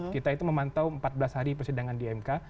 kita itu memantau empat belas hari persidangan di mk